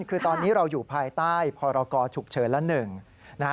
คือตอนนี้เราอยู่ภายใต้พรกรฉุกเฉินละ๑